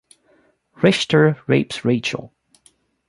Richter rapes Rachel.